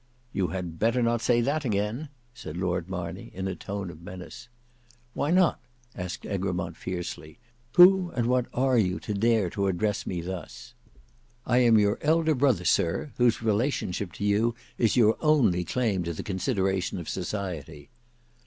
"You had better not say that again," said Lord Marney in a tone of menace. "Why not?" asked Egremont fiercely. "Who and what are you to dare to address me thus?" "I am your elder brother, sir, whose relationship to you is your only claim to the consideration of society."